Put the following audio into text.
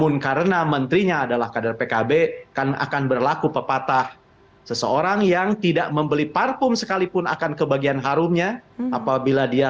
nanti kita akan kembali usai jeda